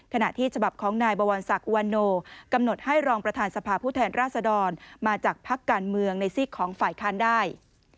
ขณะที่ฉบับของนายบวรศักดิ์วันโนกำหนดให้รองประธานสภาผู้แทนราษฎรมาจากพักการเมืองในซีกของฝ่ายค้านได้